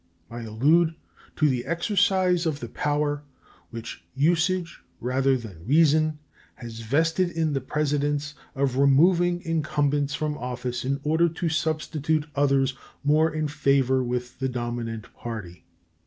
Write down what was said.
I allude to the exercise of the power which usage rather than reason has vested in the Presidents of removing incumbents from office in order to substitute others more in favor with the dominant party.